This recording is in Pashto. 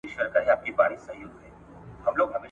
د پښتون ورمېږ پهخپله توره غوڅ دی